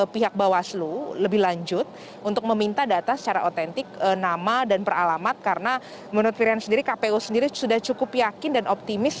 pihak bawaslu lebih lanjut untuk meminta data secara otentik nama dan peralamat karena menurut firian sendiri kpu sendiri sudah cukup yakin dan optimis